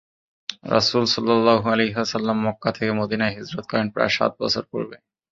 রাসূল সাল্লাল্লাহু আলাইহি ওয়াসাল্লাম মক্কা থেকে মদীনায় হিজরত করেন প্রায় সাত বছর পূর্বে।